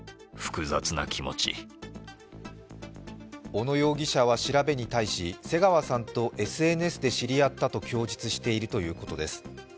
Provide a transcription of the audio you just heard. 小野容疑者は調べに対し瀬川さんとＳＮＳで知り合ったと供述しているということです。